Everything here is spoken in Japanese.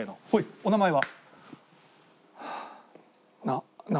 お名前は？